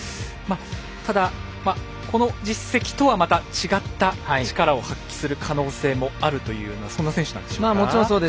ただ、実績とは違った力を発揮する可能性もあるというそんな選手なんでしょうか。